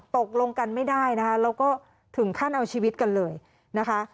ตกลงกันไม่ได้นะคะแล้วก็ถึงขั้นเอาชีวิตกันเลยนะคะ